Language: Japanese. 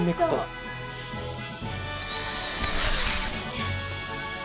よし。